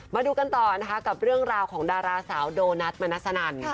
มาดูกันต่อนะคะกับเรื่องราวของดาราสาวโดนัทมนัสนัน